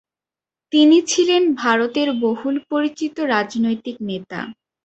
তিনি ছিলেন ভারতের বহুল পরিচিত রাজনৈতিক নেতা।